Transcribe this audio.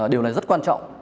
điều này rất quan trọng